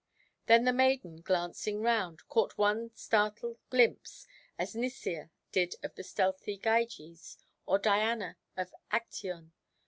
Then the maiden, glancing round, caught one startled glimpse, as Nyssia did of the stealthy Gyges, or Diana of Actæon.